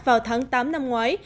vào tháng tám năm ngoái